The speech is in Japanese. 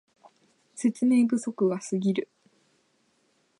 説明不足がすぎる